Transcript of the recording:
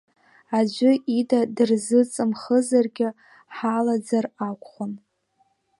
Аӡәы ида дырзыҵымхызаргьы ҳалаӡар акәхон.